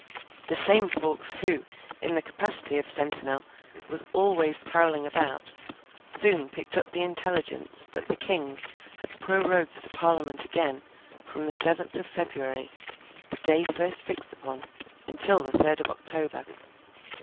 The same Fawkes, who, in the capacity of sentinel, was always prowling about, soon picked up the intelligence that the King had prorogued the Parliament again, from the seventh of February, the day first fixed upon, until the third of October.